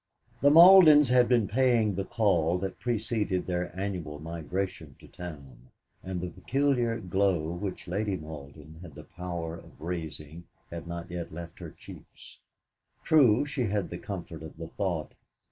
The Maldens had been paying the call that preceded their annual migration to town, and the peculiar glow which Lady Malden had the power of raising had not yet left her cheeks. True, she had the comfort of the thought